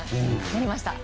やりました！